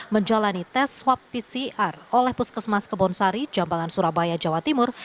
menjalani tes swab pcr oleh puskesmas kebonsari jambangan surabaya jawa timur